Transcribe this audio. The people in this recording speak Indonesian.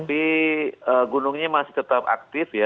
tapi gunungnya masih tetap aktif ya